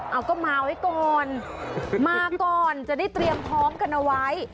เอาก็มาไว้ก่อนมาก่อนจะได้เตรียมพร้อมกันเอาไว้